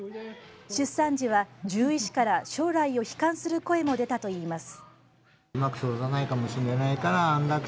出産時は獣医師から将来を悲観する声も出たといいます。